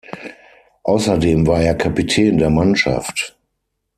Außerdem war er Kapitän der Mannschaft.